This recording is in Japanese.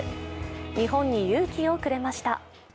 日本に勇気をくれました。